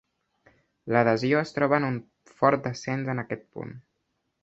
L'adhesió es troba en un fort descens en aquest punt.